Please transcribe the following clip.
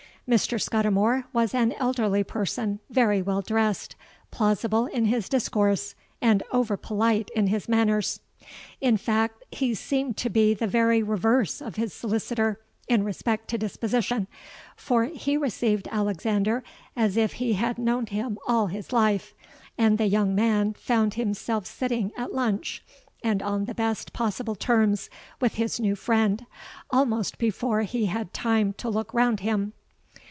"Mr. Scudimore was an elderly person—very well dressed—plausible in his discourse, and over polite in his manners. In fact, he seemed to be the very reverse of his solicitor in respect to disposition; for he received Alexander as if he had known him all his life; and the young man found himself sitting at lunch, and on the best possible terms with his new friend, almost before he had time to look round him.